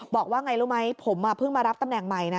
บอกว่าไงรู้ไหมผมเพิ่งมารับตำแหน่งใหม่นะ